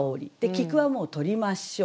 「聞く」はもう取りましょう。